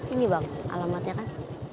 ini bang alamatnya kan